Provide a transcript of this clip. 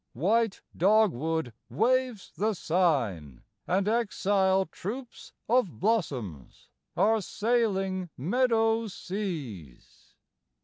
White dogwood waves the sign, And exile troops of blossoms Are sailing meadow seas.